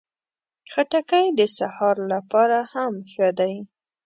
خټکی د سهار لپاره هم ښه ده.